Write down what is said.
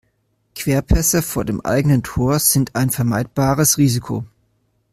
Querpässe vor dem eigenen Tor sind ein vermeidbares Risiko.